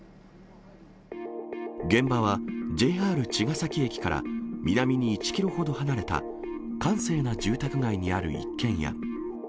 現場はＪＲ茅ヶ崎駅から南に１キロほど離れた閑静な住宅街にある一軒家。